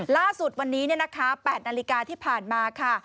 ล่าสุดวันนี้๘นาฬิกาที่ผ่านมาค่ะ